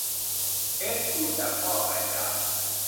เทสตูจากหม้อใส่จาน